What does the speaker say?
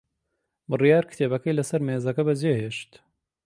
بڕیار کتێبەکەی لەسەر مێزەکە بەجێهێشت.